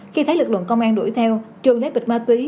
khi thấy lực lượng công an đuổi theo trường thấy bịch ma túy